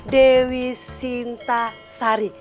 dewi sinta sari